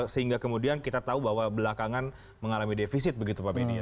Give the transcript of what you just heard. sehingga kemudian kita tahu bahwa belakangan mengalami defisit begitu pak benny ya